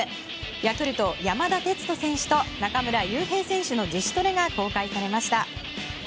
ヤクルト、山田哲人選手と中村悠平選手の自主トレが公開されました。